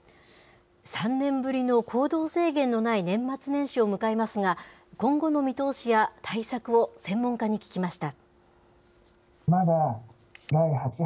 ３年ぶりの行動制限のない年末年始を迎えますが、今後の見通しや対策を専門家に聞きました。